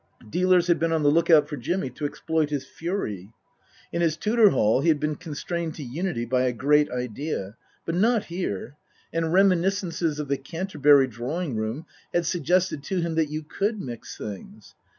Dealers had been on the look out for Jimmy to exploit his fury. In his Tudor hall he had been constrained to unity by a great idea. But not here. And reminiscences of the Canterbury drawing room had suggested to him that you could mix things.